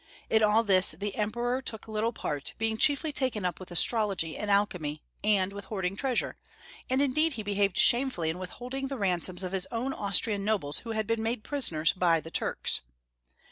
In all this the Emperor took little part, being chiefly taken up with astrology and alchemy, and with hoarding treasure, and indeed he behaved shamefully in withholding the ransoms of his own Austrian nobles who had been made prisoners by the Turks.